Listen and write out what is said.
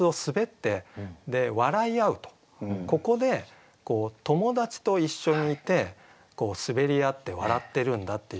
ここで友達と一緒にいて滑り合って笑ってるんだっていう。